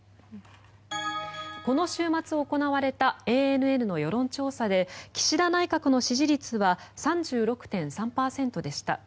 この週末行われたＡＮＮの世論調査で岸田内閣の支持率は３６．３％でした。